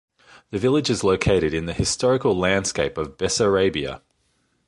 The village is located in the historical landscape of Bessarabia.